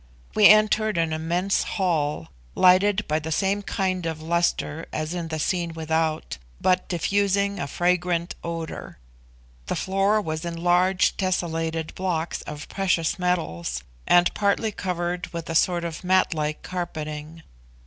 We entered an immense hall, lighted by the same kind of lustre as in the scene without, but diffusing a fragrant odour. The floor was in large tesselated blocks of precious metals, and partly covered with a sort of matlike carpeting.